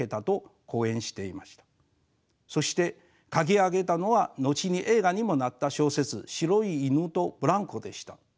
そして書き上げたのが後に映画にもなった小説「白い犬とブランコ」でした。